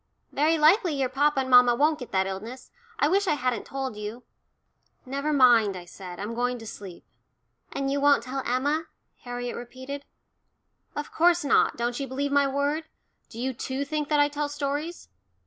Very likely your papa and mamma won't get that illness. I wish I hadn't told you." "Never mind," I said. "I'm going to sleep." "And you won't tell Emma?" Harriet repeated. "Of course not don't you believe my word? Do you too think that I tell stories?"